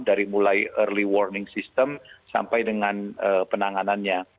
dari mulai early warning system sampai dengan penanganannya